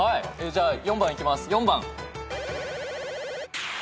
じゃあ４番いきます。